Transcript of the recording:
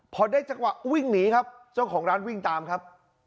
พอได้จังหวะวิ่งหนีครับเจ้าของร้านวิ่งตามครับ